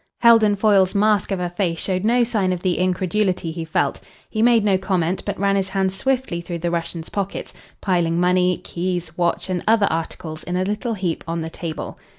Heldon Foyle's mask of a face showed no sign of the incredulity he felt. He made no comment, but ran his hands swiftly through the Russian's pockets, piling money, keys, watch, and other articles in a little heap on the table.